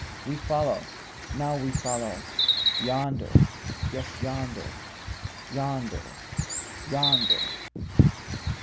We follow, now we follow.—Yonder, yes yonder, yonder, Yonder.